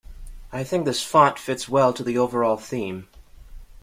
I think this font fits well to the overall theme.